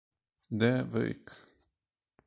The Wreck